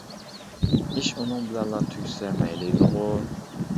ئىش ئۇنىڭ بىلەنلا تۈگىسە مەيلى ئىدىغۇ.